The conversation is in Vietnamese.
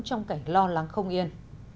trong cảnh lo lắng không yên